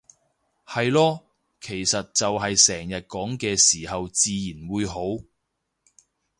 係囉，其實就係成日講嘅時候自然會好